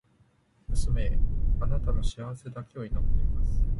娘へ、貴女の幸せだけを祈っています。